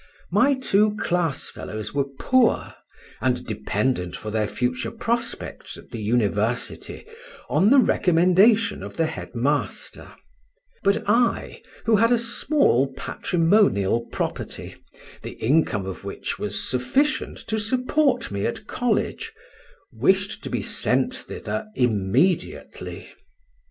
My two class fellows were poor, and dependent for their future prospects at the university on the recommendation of the head master; but I, who had a small patrimonial property, the income of which was sufficient to support me at college, wished to be sent thither immediately.